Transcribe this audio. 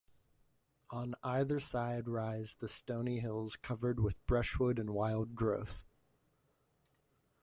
On either side rise the stony hills covered with brushwood and wild growth.